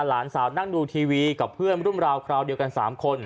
หลานสาวนั่งดูทีวีกับเพื่อนรุ่นราวคราวเดียวกัน๓คน